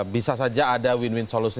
bisa saja ada win win solution